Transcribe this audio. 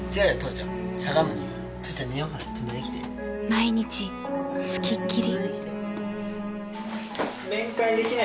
［毎日付きっきり］